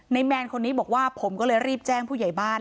แมนคนนี้บอกว่าผมก็เลยรีบแจ้งผู้ใหญ่บ้าน